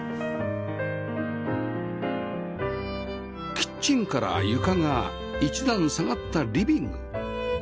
キッチンから床が一段下がったリビング